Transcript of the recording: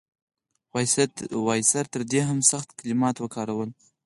وایسرا تر دې هم سخت کلمات وکارول.